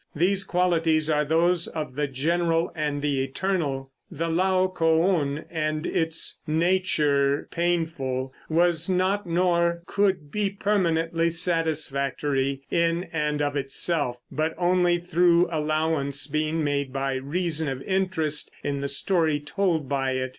These qualities are those of the general and the eternal; the Laocoön, in its nature painful, was not nor could be permanently satisfactory in and of itself, but only through allowance being made by reason of interest in the story told by it.